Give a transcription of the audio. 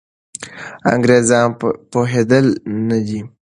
انګریزان پوهېدلي نه دي.